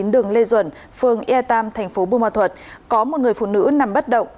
đường lê duẩn phường e tam thành phố bùa ma thuật có một người phụ nữ nằm bất động